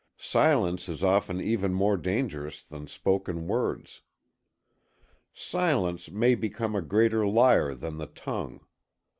Silence is often even more dangerous than spoken words. Silence may become a greater liar than the tongue.